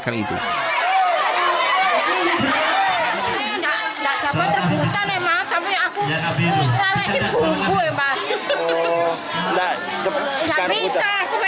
yang di tiga puluh dua rupiah dan gambaranensions televisa